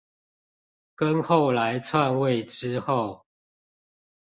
跟後來篡位之後